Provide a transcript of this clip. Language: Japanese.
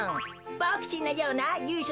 ボクちんのようなゆいしょ